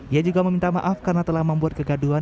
ia juga meminta maaf karena telah membuat kegaduhan